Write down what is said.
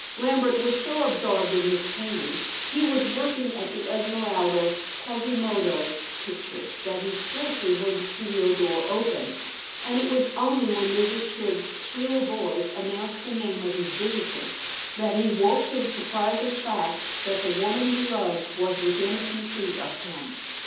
Lambert was so absorbed in his painting he was working at the Esmeralda Quasimodo picture that he scarcely heard the studio door open, and it was only when Mrs. Tribb's shrill voice announced the name of his visitor, that he woke to the surprising fact that the woman he loved was within a few feet of him.